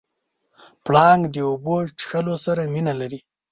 پړانګ د اوبو څښلو سره مینه لري.